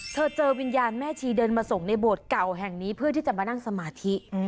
เจอวิญญาณแม่ชีเดินมาส่งในโบสถ์เก่าแห่งนี้เพื่อที่จะมานั่งสมาธิ